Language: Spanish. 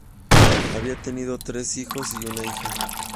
Había tenido tres hijos y una hija.